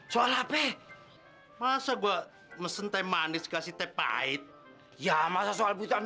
soal apa masa gua mesen teh manis kasih teh pahit ya masa soal buta